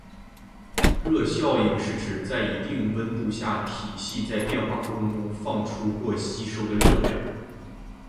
热效应是指在一定温度下，体系在变化过程中放出或吸收的热量。